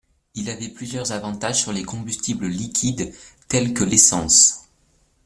Il avait plusieurs avantages sur les combustibles liquides, tels que l'essence.